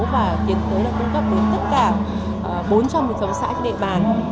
và tiến tới là cung cấp đến tất cả bốn trăm linh dòng xã trên địa bàn